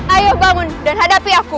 ayo bangun dan hadapi aku